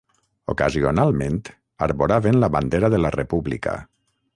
Ocasionalment arboraven la bandera de la República